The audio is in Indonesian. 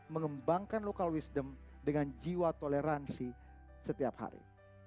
mengembangkan local wisdom dengan jiwa toleransi setiap hari